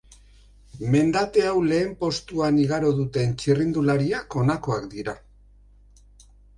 Mendate hau lehen postuan igaro duten txirrindulariak honakoak dira.